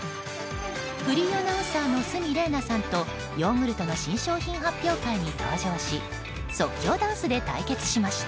フリーアナウンサーの鷲見玲奈さんとヨーグルトの新商品発表会に登場し即興ダンスで対決しました。